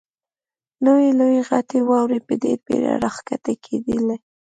لویې لویې غټې واورې په ډېره بېړه را کښته کېدلې.